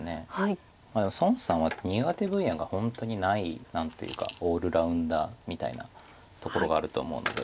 でも孫さんは苦手分野が本当にない何というかオールラウンダーみたいなところがあると思うので。